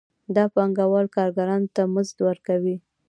دا پانګوال کارګرانو ته مزد ورکوي